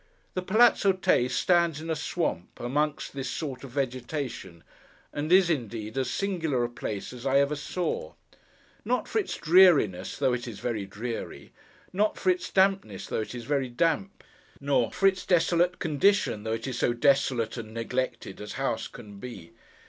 The Palazzo Tè stands in a swamp, among this sort of vegetation; and is, indeed, as singular a place as I ever saw. Not for its dreariness, though it is very dreary. Not for its dampness, though it is very damp. Nor for its desolate condition, though it is as desolate and neglected as house can be.